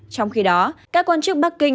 trong khi đó các quan chức bắc kinh